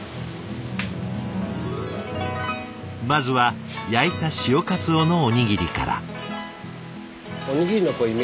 まずは焼いた潮かつおのおにぎりから。